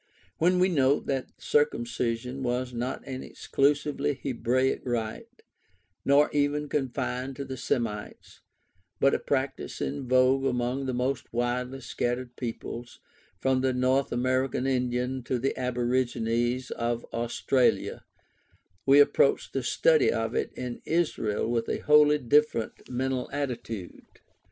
When we note that circumcision was not an exclusively Hebraic rite, nor even confined to the Semites, but a practice in vogue among the most widely scattered peoples, from the North American Indian to the aborigines of Australasia, we approach the study of it in Israel with a wholly different mental attitude.